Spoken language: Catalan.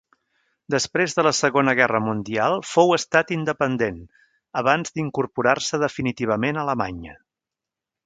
Després de la Segona Guerra Mundial fou estat independent, abans d'incorporar-se definitivament a Alemanya.